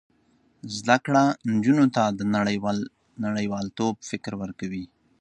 زده کړه نجونو ته د نړیوالتوب فکر ورکوي.